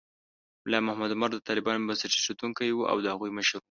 ملا محمد عمر د طالبانو بنسټ ایښودونکی و او د هغوی مشر و.